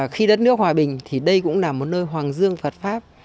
khi đất nước hòa bình thì đây cũng là một nơi hoàng dương phật pháp